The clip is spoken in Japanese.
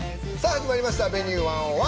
始まりました「Ｖｅｎｕｅ１０１」。